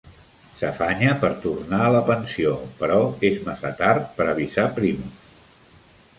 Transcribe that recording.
S'afanya per tornar a la pensió, però és massa tard per avisar Primus.